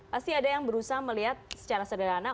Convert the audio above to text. pasti ada yang berusaha melihat secara sederhana